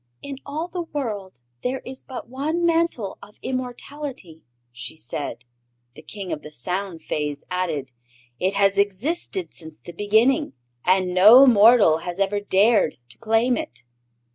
"In all the world there is but one Mantle of Immortality," she said. The King of the Sound Fays added: "It has existed since the Beginning, and no mortal has ever dared to claim it."